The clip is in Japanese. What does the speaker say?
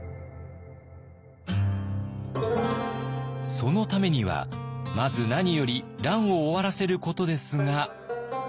そのためにはまず何より乱を終わらせることですが。